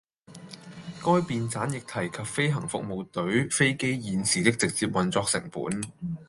該便箋亦提及飛行服務隊飛機現時的直接運作成本